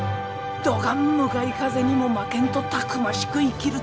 どがん向かい風にも負けんとたくましく生きるとぞ。